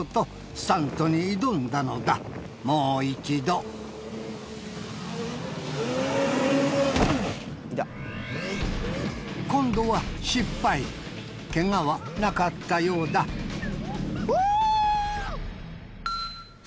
スタントに挑んだのだもう一度今度は失敗ケガはなかったようだＷｏｗ！